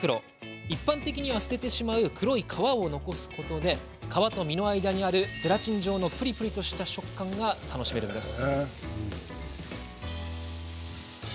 一般的には捨ててしまう黒い皮を残すことで皮と身の間にあるゼラチン状のプリプリとした食感が楽しめるんです。